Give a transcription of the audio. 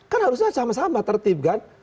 kan harusnya sama sama tertib kan